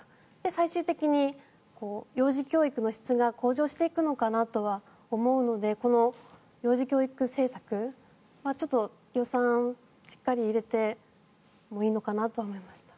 最終的に幼児教育の質が向上していくのかなとは思うのでこの幼児教育政策はちょっと予算しっかり入れてもいいのかなとは思いました。